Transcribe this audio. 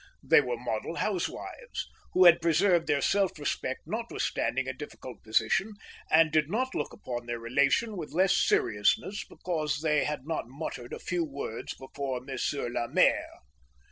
They were model housewives, who had preserved their self respect notwithstanding a difficult position, and did not look upon their relation with less seriousness because they had not muttered a few words before Monsieur le Maire.